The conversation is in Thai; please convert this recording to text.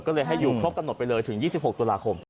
ก็เลยให้อยู่ครบกำหนดไปเลยถึง๒๖ตุลาคม